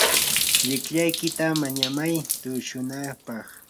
llikllaykita mañamay tushunapaq.